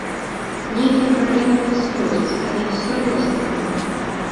Нейкія праблемы ў нас ёсць, але ці сур'ёзныя яны!